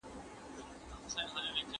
بارانونه دي اوریږي خو سیلې دي پکښي نه وي